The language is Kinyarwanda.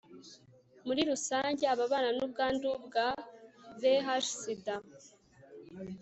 muri rusange ababanan ubwandu bwa vih sida